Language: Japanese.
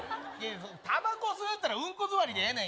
たばこ吸うっていったら、うんこずわりでええねん。